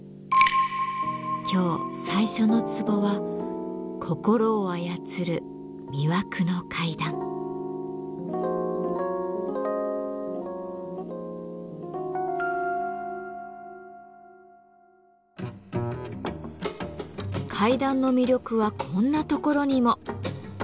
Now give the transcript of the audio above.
今日最初のツボは階段の魅力はこんなところにも。